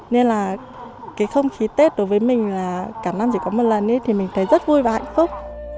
nên là cái không khí tết đối với mình là cả năm chỉ có một lần thì mình thấy rất vui và hạnh phúc